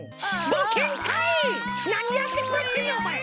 なにやってくれてんねんおまえ！